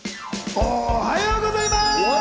おはようございます！